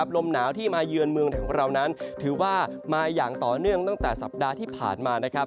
ลมหนาวที่มาเยือนเมืองไทยของเรานั้นถือว่ามาอย่างต่อเนื่องตั้งแต่สัปดาห์ที่ผ่านมานะครับ